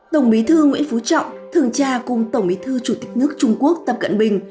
tổng bí thư nguyễn phú trọng thường tra cùng tổng bí thư chủ tịch nước trung quốc tập cận bình